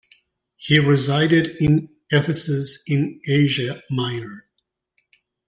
He resided in Ephesus in Asia Minor.